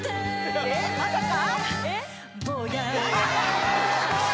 えっまさか？